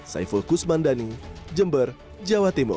saya fulkus mandani jember jawa timur